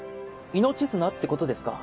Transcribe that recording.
命綱ってことですか。